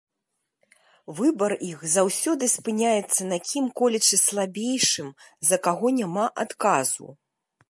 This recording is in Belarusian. Выбар іх заўсёды спыняецца на кім-колечы слабейшым, за каго няма адказу.